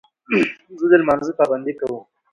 زه د لمانځه پابندي کوم.